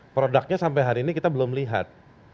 produknya sampai hari ini kita belum lihat